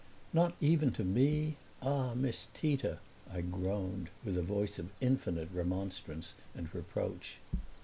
"Not even to me? Ah, Miss Tita!" I groaned, with a voice of infinite remonstrance and reproach.